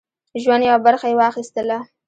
ژوند یوه برخه یې واخیستله.